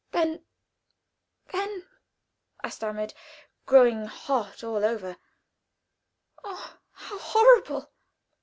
"Then then " I stammered, growing hot all over. "Oh, how horrible!"